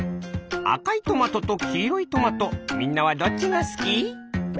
あかいトマトときいろいトマトみんなはどっちがすき？かお！